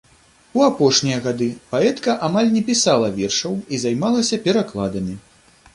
У апошнія гады паэтка амаль не пісала вершаў і займалася перакладамі.